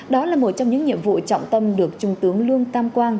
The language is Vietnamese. đó là một trong những nhiệm vụ trọng tâm được trung tướng lương tam quang